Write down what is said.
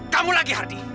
kamu lagi hardy